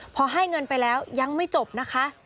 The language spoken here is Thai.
พอให้เงินไปแล้วยังไม่จบนะคะ